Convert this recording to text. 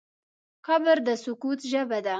قبر د سکوت ژبه ده.